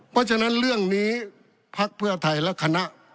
เพราะฉะนั้นเรื่องนี้ภักดิ์เพื่อไทยและคณะ